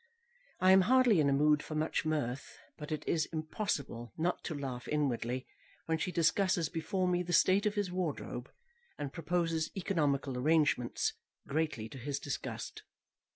I am hardly in a mood for much mirth, but it is impossible not to laugh inwardly when she discusses before me the state of his wardrobe, and proposes economical arrangements greatly to his disgust.